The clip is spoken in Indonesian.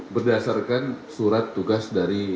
berdasarkan surat tugas dari